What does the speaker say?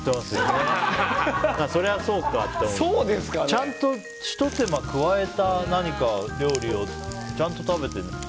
ちゃんとひと手間加えた料理をちゃんと食べてるんだね。